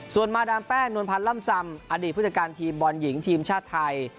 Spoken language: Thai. ส่วนมาดามแป้งนวลพันธ์ล่ำซำอดีตผู้จัดการทีมบอลหญิงทีมชาติไทย